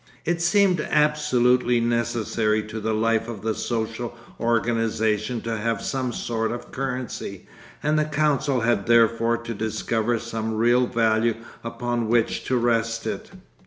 It seemed absolutely necessary to the life of the social organisation to have some sort of currency, and the council had therefore to discover some real value upon which to rest it.